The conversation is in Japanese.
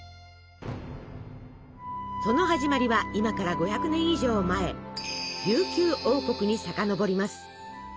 その始まりは今から５００年以上前琉球王国にさかのぼります。